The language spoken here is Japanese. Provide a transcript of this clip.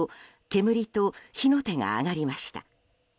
煙と火の手が上がりました。